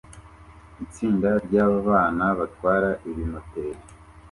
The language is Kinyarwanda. Itsinda ryabana batwara ibimoteri